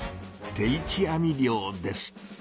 「定置網漁」です。